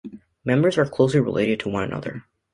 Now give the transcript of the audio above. Members are closely related to one another.